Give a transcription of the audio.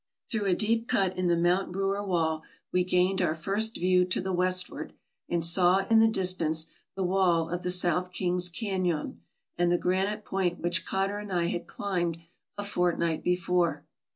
Through a deep cut in the Mount Brewer wall we gained our first view to the westward, and saw in the distance the wall of the South Kings Canon, and the granite point which Cotter and I had climbed a fortnight before.